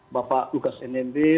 bapak lukas nmb